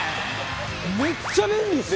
めっちゃ便利っすね。